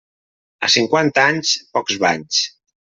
A cinquanta anys, pocs banys.